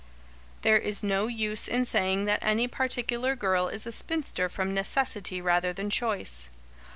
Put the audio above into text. There is no use in saying that any particular girl is a spinster from necessity rather than choice.